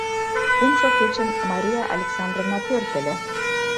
Кумшо кечын Мария Александровна пӧртыльӧ.